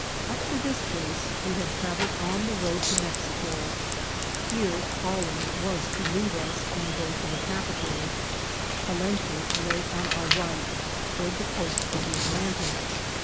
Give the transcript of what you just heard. Up to this place we had travelled on the road to Mex ico ; here Pawling was to leave us and go on to the cap ital ; Palenque lay on our right, toward the coast of the Atlantic.